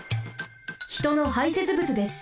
ひとの排せつ物です。